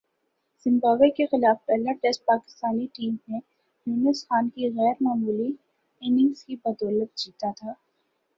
Zimbabwe کے خلاف پہلا ٹیسٹ پاکستانی ٹیم نے یونس خان کی غیر معمولی اننگز کی بدولت جیتا تھا ۔